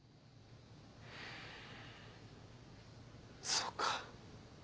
そうか。